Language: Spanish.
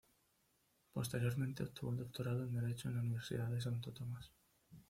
Posteriormente obtuvo el doctorado en Derecho en la Universidad de Santo Tomás.